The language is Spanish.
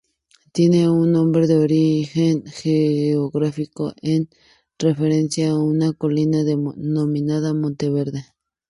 Tiene un nombre de origen geográfico, en referencia a una colina denominada Monte Verde.